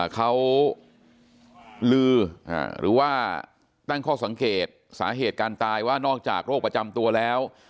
เขาลือหรือว่าตั้งข้อสังเกตสาเหตุการตายว่านอกจากโรคประจำตัวแล้ว